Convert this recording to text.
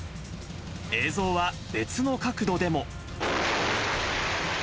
映像は別の角度でも。